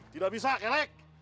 tidak bisa kelek